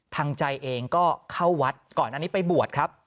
ทางใจเองก็เข้าวัดก่อนอันนี้ไปบวชครับ